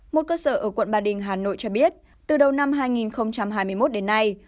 một cơ sở ở quận ba đình hà nội cho biết từ đầu năm hai nghìn hai mươi một đến nay